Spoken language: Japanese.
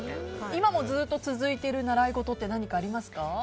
今もずっと続いている習い事ありますか？